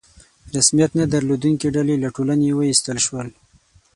رسمیت نه درلودونکي ډلې له ټولنې ویستل شول.